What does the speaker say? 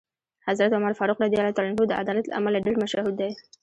حضرت عمر فاروق رض د عدالت له امله ډېر مشهور دی.